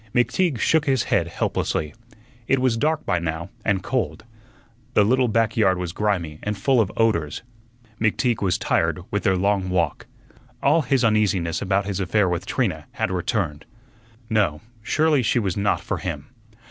McTeague shook his head helplessly. It was dark by now and cold. The little back yard was grimy and full of odors. McTeague was tired with their long walk. All his uneasiness about his affair with Trina had returned. No, surely she was not for him.